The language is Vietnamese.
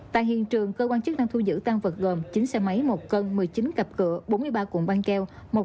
tại hiện trường cơ quan chức đang thu giữ tăng vật gồm chín xe máy một cân một mươi chín cặp cửa bốn mươi ba cuộn băng keo